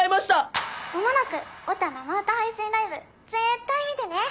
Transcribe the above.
「まもなくオタ生歌配信ライブ」「絶対見てね！」